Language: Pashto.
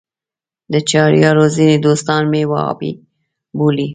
د چهاریارو ځینې دوستان مې وهابي بولي.